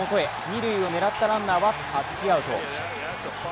二塁を狙ったランナーはタッチアウト。